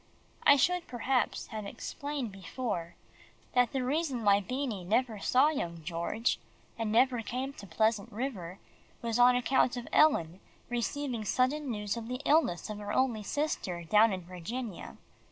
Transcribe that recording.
I should, perhaps, have explained before, that the reason why Beanie never saw young George, and never came to Pleasant River, was on account of Ellen receiving sudden news of the illness of her only sister down in Virginia.